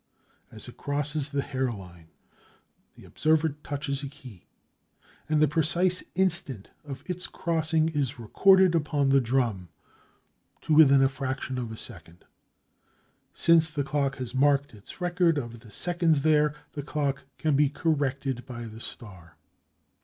As it crosses the hair line, the observer touches a key, and the precise instant of its crossing is recorded upon the drum, to within a fraction of a second. Since the clock has marked its record of the seconds there, the clock can be corrected by the star.